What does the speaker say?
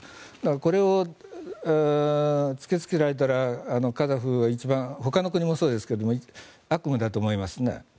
これを突きつけられたらカザフはほかの国もそうですけど悪夢だと思いますね。